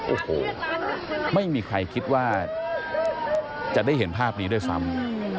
โอ้โหไม่มีใครคิดว่าจะได้เห็นภาพนี้ด้วยซ้ำ